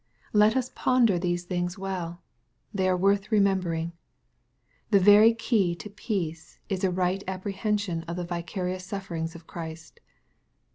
— ^Let us ponder these things well. They are worth remembering. The very key to peace is a right apprehension of the vicarious sufferings of Christ.